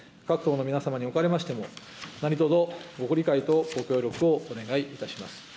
各党の皆様におかれましても、何とぞ、ご理解とご協力をお願いいたします。